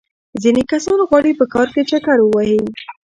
ځینې کسان غواړي په ښار کې چکر ووهي.